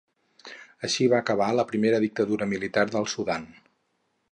Així ca acabar la primera dictadura militar del Sudan.